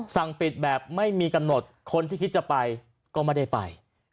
สั่งปิดแบบไม่มีกำหนดคนที่คิดจะไปก็ไม่ได้ไป